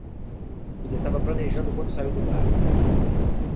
Ele estava planejando quando saiu do bar.